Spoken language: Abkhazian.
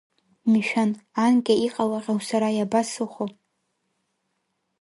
Мшәан, анкьа иҟалахьоу сара иабасыхәо!